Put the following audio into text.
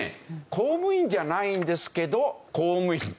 公務員じゃないんですけど。